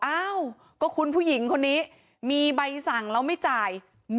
อ้าวก็คุณผู้หญิงคนนี้มีใบสั่งแล้วไม่จ่าย